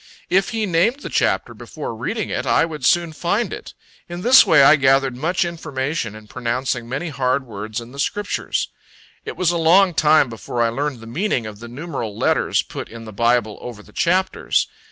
If he named the chapter before reading it, I would soon find it. In this way, I gathered much information in pronouncing many hard words in the Scriptures. It was a long time before I learned the meaning of the numeral letters put in the Bible over the chapters.